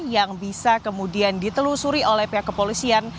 yang bisa kemudian ditelusuri oleh pihak kepolisian